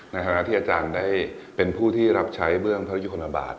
ในฐานะที่อาจารย์ได้เป็นผู้ที่รับใช้เบื้องพระยุคลบาท